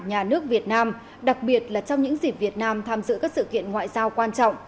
nhà nước việt nam đặc biệt là trong những dịp việt nam tham dự các sự kiện ngoại giao quan trọng